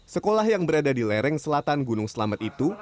sekolah yang berada di lereng selatan gunung selamet itu